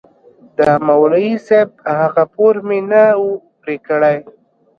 د مولوي صاحب هغه پور مې نه و پرې كړى.